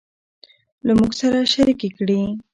له موږ سره شريکې کړي